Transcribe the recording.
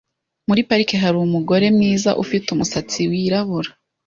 Muri parike hari umugore mwiza ufite umusatsi wirabura .